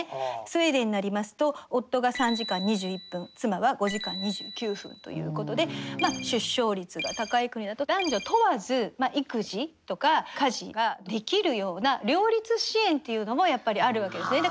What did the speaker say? スウェーデンになりますと夫が３時間２１分妻は５時間２９分ということで出生率が高い国だと男女問わず育児とか家事ができるような両立支援というのもやっぱりあるわけですね。